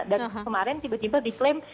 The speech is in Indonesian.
dan kemarin tiba tiba diklaim